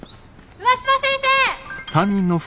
上嶋先生！